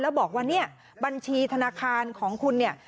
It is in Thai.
แล้วบอกว่าเนี่ยบัญชีธนาคารของคุณเนี่ย